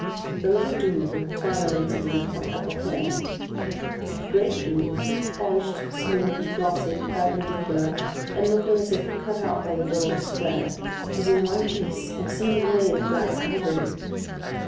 The Little Douvre terminated in a point like a horn. The Great Douvre, polished, smooth, glossy, perpendicular, and looking as if cut out by the builder's square, was in one piece, and seemed made of black ivory.